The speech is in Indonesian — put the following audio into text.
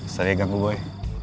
selalu ya ganggu boy